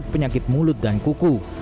penyakit mulut dan kuku